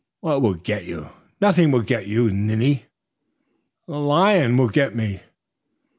"What will get you? Nothing will get you, you ninny!" "The lion will get me."